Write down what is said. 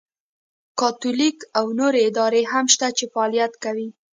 کاتولیک او نورې ادارې هم شته چې فعالیت کوي.